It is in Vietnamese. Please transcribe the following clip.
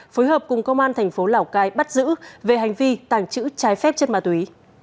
phối hợp cùng công an thành phố lào cai bắt giữ về hành vi tàng trữ trái phép chất ma túy